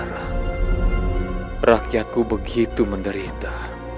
rakyatku begitu menderita